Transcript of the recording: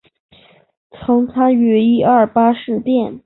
曾参与一二八事变。